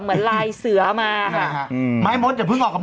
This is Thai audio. หนุ่มกัญชัยโทรมา